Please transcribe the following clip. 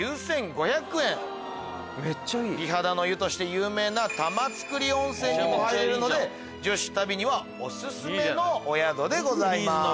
美肌の湯として有名な玉造温泉にも入れるので女子旅にはオススメのお宿でございます。